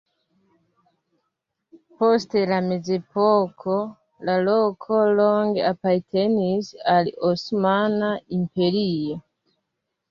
Post la mezepoko la loko longe apartenis al Osmana Imperio.